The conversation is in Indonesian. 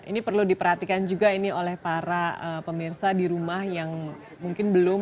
ini perlu diperhatikan juga ini oleh para pemirsa di rumah yang mungkin belum